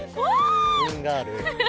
品がある。